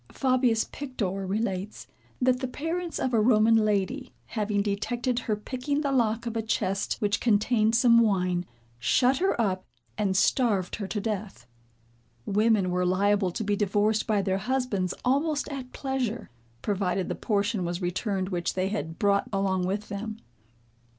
Fabius Pictor relates, that the parents of a Roman lady, having detected her picking the lock of a chest which contained some wine, shut her up and starved her to death. Women were liable to be divorced by their husbands almost at pleasure, provided the portion was returned which they had brought along with them.